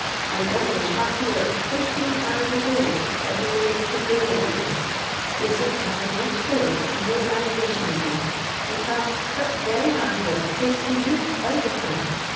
My daughters ' have to work liftecn hours a day that we may make a bare living. They seem to have no ' spirit and no animation in them ; in fact, such , very hard work takes the youth out of them.